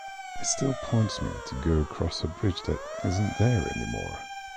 It still points me to go across a bridge that isn't there anymore.